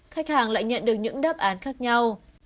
khách hàng lại nhận được những đáp án khác nhau